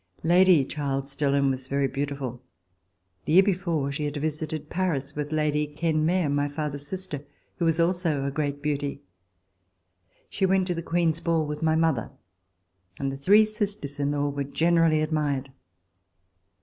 Lady Charles Dillon was very beautiful. The year before, she had visited Paris with Lady Kenmare, my father's sister, who was also a great beauty. She went to the Queen's Ball with my mother, and the three sisters in law were generally admired.